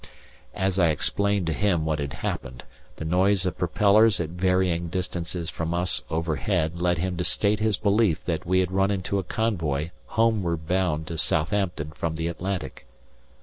As I explained to him what had happened, the noise of propellers at varying distances from us overhead led him to state his belief that we had run into a convoy homeward bound to Southampton from the Atlantic.